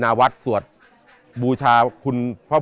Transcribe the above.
โปรดติดตามต่อไป